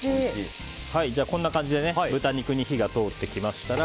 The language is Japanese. こんな感じで豚肉に火が通ってきましたら